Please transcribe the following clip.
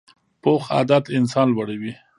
پوخ عادت انسان لوړوي